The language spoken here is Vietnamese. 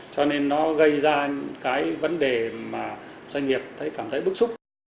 cho nên nó gây ra những cái vấn đề mà doanh nghiệp thấy cảm thấy bức xúc